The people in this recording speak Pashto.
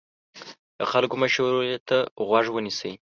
د خلکو مشورې ته غوږ ونیسئ.